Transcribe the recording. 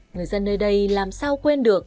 người dân nơi đây làm sao quên được